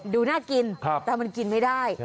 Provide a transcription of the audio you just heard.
ดูน่ากินแต่มันกินไม่ได้